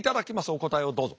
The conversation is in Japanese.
お答えをどうぞ。